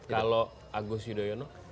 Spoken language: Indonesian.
kalau agus yudhoyono